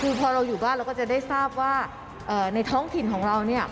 คือพอเราอยู่บ้านเราก็จะได้ทราบว่าในท้องถิ่นของเราเนี่ย